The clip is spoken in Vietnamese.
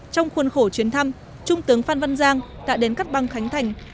trong khuôn khổ chuyến thăm trung tướng phan văn giang đã đến cắt băng khánh thành